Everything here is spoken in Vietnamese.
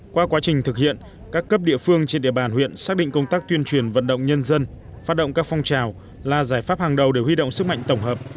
qua quá trình thực hiện các cấp địa phương trên địa bàn huyện xác định công tác tuyên truyền vận động nhân dân phát động các phong trào là giải pháp hàng đầu để huy động sức mạnh tổng hợp